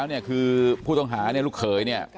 เพราะไม่เคยถามลูกสาวนะว่าไปทำธุรกิจแบบไหนอะไรยังไง